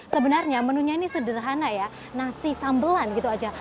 sebenarnya menunya ini sederhana ya nasi sambelan gitu aja